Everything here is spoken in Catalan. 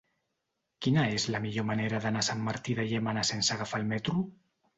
Quina és la millor manera d'anar a Sant Martí de Llémena sense agafar el metro?